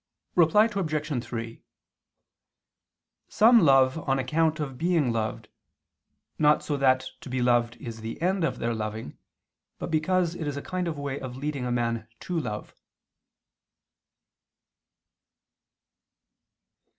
Reply Obj. 3: Some love on account of being loved, not so that to be loved is the end of their loving, but because it is a kind of way leading a man to love.